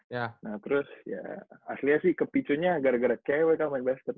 nah terus ya aslinya sih kepicunya gara gara cewek yang main basket